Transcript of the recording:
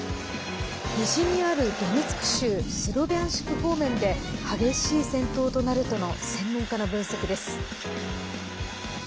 西にあるドネツク州スロビャンシク方面で激しい戦闘となるとの専門家の分析です。